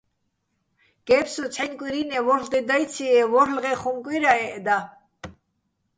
გე́ფსუ, ცჰ̦აჲნი̆ კვირინე, ვორ'ლ დე დაჲციჲე́, ვო́რ'ლღეჼ ხუმ კვირაჸეჸ და.